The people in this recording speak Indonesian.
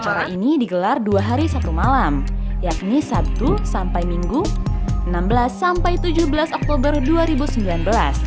acara ini digelar dua hari satu malam yakni sabtu sampai minggu enam belas sampai tujuh belas oktober dua ribu sembilan belas